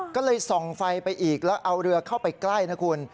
ก็เลยส่องไฟไปอีกแล้วเอาเรือเข้าไปใกล้นะคุณ